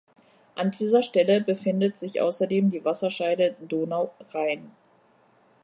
An dieser Stelle befindet sich außerdem die Wasserscheide Donau–Rhein.